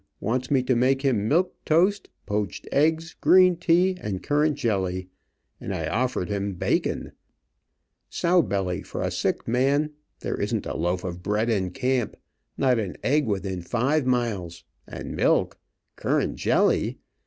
Wants me to make him milk toast, poached eggs, green tea, and currant jelly. And I offered him bacon. Sow belly for a sick man! There isn't a loaf of bread in camp. Not an egg within five miles. And milk! currant jelly!